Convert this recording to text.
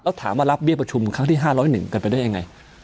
แล้วถามว่ารับเบี้ยประชุมครั้งที่๕๐๑กันไปได้ยังไง